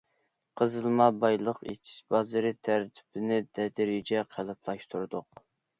قېزىلما بايلىق ئېچىش بازىرى تەرتىپىنى تەدرىجىي قېلىپلاشتۇردۇق.